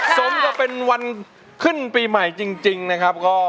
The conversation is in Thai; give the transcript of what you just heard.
สมกับเป็นวันขึ้นปีใหม่จริงนะครับ